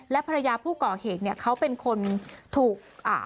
และภรรยาผู้ก่อเหตุเนี่ยเขาเป็นคนถูกอ่า